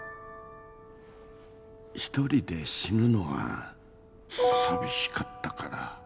１人で死ぬのは寂しかったから。